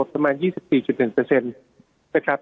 สมัยยี่สิบสี่จุดหนึ่งเปอร์เซ็นนะครับ